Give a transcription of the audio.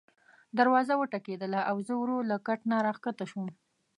دروازه وټکېدله او زه ورو له کټ نه راکښته شوم.